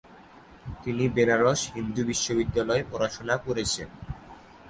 তিনি বেনারস হিন্দু বিশ্ববিদ্যালয়ে পড়াশোনা করেছেন।